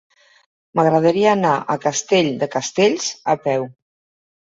M'agradaria anar a Castell de Castells a peu.